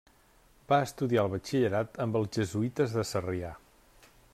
Va estudiar el batxillerat amb els jesuïtes de Sarrià.